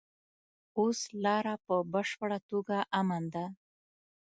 اوس لاره په بشپړه توګه امن ده.